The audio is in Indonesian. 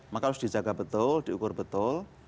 maka harus dijaga betul diukur betul